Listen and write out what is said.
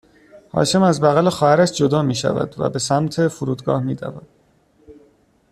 هاشم از بغل خواهرش جدا میشود و به سمت فرودگاه میدود